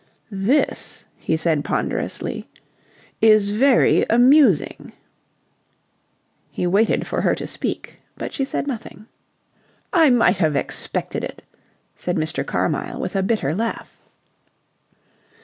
"This," he said ponderously, "is very amusing." He waited for her to speak, but she said nothing. "I might have expected it," said Mr. Carmyle with a bitter laugh.